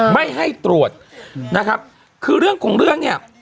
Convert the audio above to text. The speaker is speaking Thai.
ไม่ให้ตรวจนะครับคือเรื่องของเรื่องเนี่ย